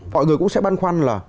mọi người cũng sẽ băn khoăn là